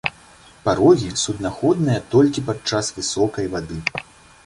Парогі суднаходныя толькі пад час высокай вады.